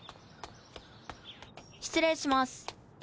失礼します。